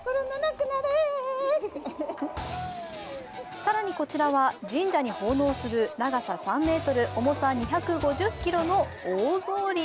更にこちらは神社に奉納する長さ３ｍ、重さ２５０ｋｇの大草履。